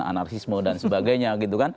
anarsisme dan sebagainya